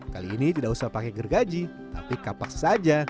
kali ini tidak usah pakai gergaji tapi kapak saja